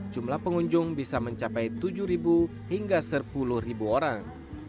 jumlah pengunjung bisa mencapai tujuh ribu hingga serpuluh ribu orang